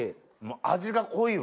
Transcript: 味が濃いわ。